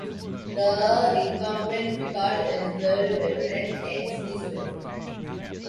The incumbent vicar is the Reverend Ainsley Swift.